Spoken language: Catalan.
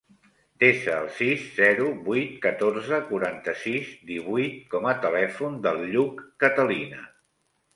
Desa el sis, zero, vuit, catorze, quaranta-sis, divuit com a telèfon del Lluc Catalina.